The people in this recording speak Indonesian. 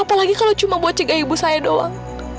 apalagi kalau cuma buat jaga ibu saya doang